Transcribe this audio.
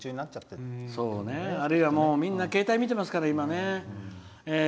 あるいはみんな今、携帯見てますからね。